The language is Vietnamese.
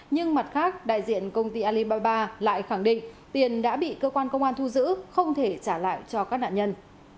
nhưng mặt khác đại diện công ty alibaba lại khẳng định tiền đã bị cơ quan công an thu giữ không thể trả lại cho các nạn nhân